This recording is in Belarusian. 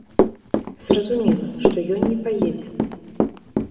Зразумела, што ён не паедзе.